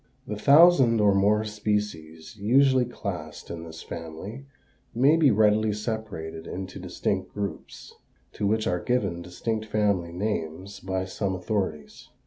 The thousand or more species usually classed in this family may be readily separated into distinct groups, to which are given distinct family names by some authorities.